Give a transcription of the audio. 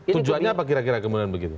tujuannya apa kira kira kemudian begitu